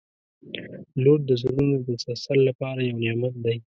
• لور د زړونو د تسل لپاره یو نعمت دی.